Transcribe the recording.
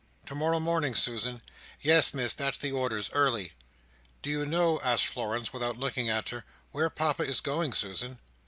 "To morrow morning, Susan?" "Yes, Miss; that's the orders. Early." "Do you know," asked Florence, without looking at her, "where Papa is going, Susan?"